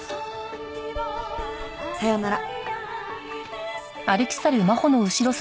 さようなら。